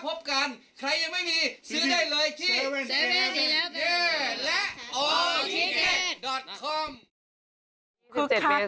พบกันใครยังไม่มีซื้อได้เลยที่